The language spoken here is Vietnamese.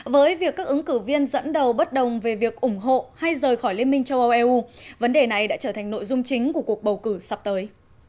với việc các ứng cử viên dẫn đầu bất đồng về việc ủng hộ hay rời khỏi liên minh châu âu eu vấn đề này đã trở thành nội dung chính của cuộc bầu cử sắp tới